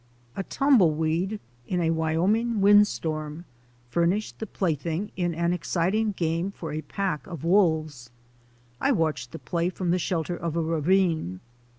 A tumbleweed in a Wyoming windstorm fur nished the plaything in an exciting game for a pack of wolves. I watched the play from the shelter of a ravine.